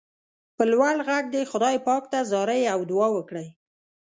په لوړ غږ دې خدای پاک ته زارۍ او دعا وکړئ.